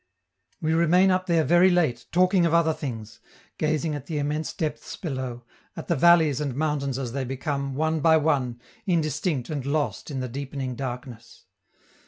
We remain up there very late, talking of other things, gazing at the immense depths below, at the valleys and mountains as they become, one by one, indistinct and lost in the deepening darkness.